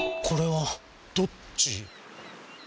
これはどっち？